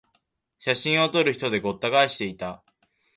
写真を撮る人でごった返していた